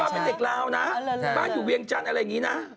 บ้านอยู่เวียงจันทร์อะไรอย่างงี้นะ